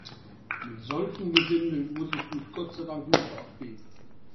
Mit solchem Gesindel muss ich mich Gott sei Dank nicht abgeben.